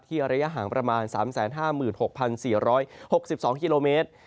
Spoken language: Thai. ระยะห่างประมาณ๓๕๖๔๖๒กิโลเมตร